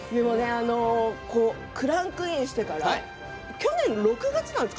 クランクインしてから去年の６月ですか？